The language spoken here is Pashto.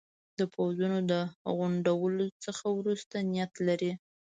د پوځونو د غونډولو څخه وروسته نیت لري.